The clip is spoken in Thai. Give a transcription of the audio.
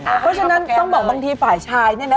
เพราะฉะนั้นต้องบอกบางทีฝ่ายชายเนี่ยนะ